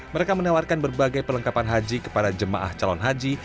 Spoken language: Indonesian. mereka menawarkan berbagai perlengkapan haji kepada jemaah calon haji